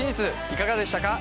いかがでしたか？